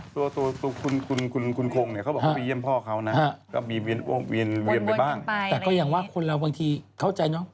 ตัวคุณคงเขาบอกว่าไปเยี่ยมพ่อเขานะก็ไปเยี่ยมไปบ้างแต่ก็อย่างว่าคนเราบางทีเข้าใจเนอะ